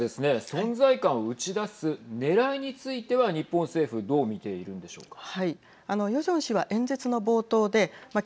存在感を打ち出すねらいについては日本政府どう見ているんでしょうか。